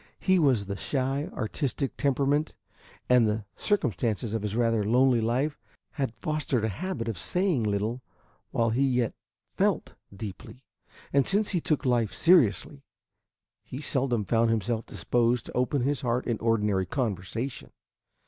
His was the shy artistic temperament, and the circumstances of his rather lonely life had fostered a habit of saying little while he yet felt deeply, and since he took life seriously, he seldom found himself disposed to open his heart in ordinary conversation.